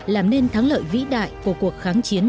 làm nên thắng lợi vĩ đại của cuộc kháng chiến